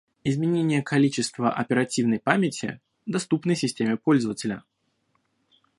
Изменение количество оперативной памяти, доступной в системе пользователя